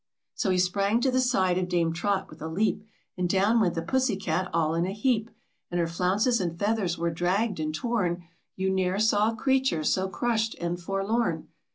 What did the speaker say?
So he sprang to the side of Dame Trot with a leap, And down went the pussy cat all in a heap, And her flounces and feathers were dragged and torn, You ne'er saw a creature so crushed and forlorn.